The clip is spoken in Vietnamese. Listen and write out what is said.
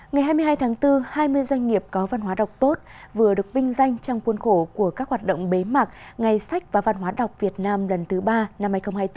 ngày hai mươi hai tháng bốn hai mươi doanh nghiệp có văn hóa đọc tốt vừa được vinh danh trong cuốn khổ của các hoạt động bế mạc ngày sách và văn hóa đọc việt nam lần thứ ba năm hai nghìn hai mươi bốn